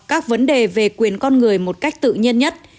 các vấn đề về quyền con người một cách tự nhiên nhất